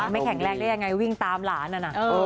ไม่แข็งแรงได้ยังไงวิ่งตามหลานนั่นน่ะ